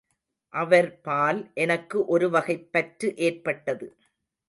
அவர்பால் எனக்கு ஒருவகைப் பற்று ஏற்பட்டது.